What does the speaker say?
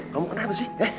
kamu kenapa sih